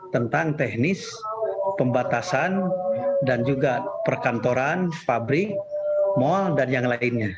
tentang teknis pembatasan dan juga perkantoran pabrik mal dan yang lainnya